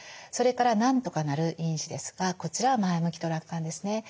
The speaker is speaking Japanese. それから「なんとかなる」因子ですがこちらは前向きと楽観ですね。